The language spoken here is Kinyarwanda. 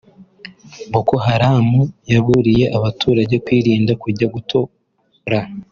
Boko Haram yaburiye abaturage kwirinda kujya gutora